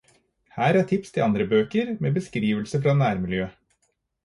Her er tips til andre bøker med beskrivelser fra nærmiljøet.